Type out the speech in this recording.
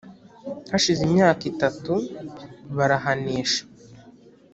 hashize imyaka itatu barahanesha